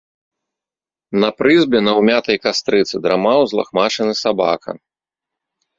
На прызбе, на ўмятай кастрыцы, драмаў узлахмачаны сабака.